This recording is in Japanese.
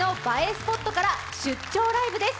スポットから「出張ライブ！」です。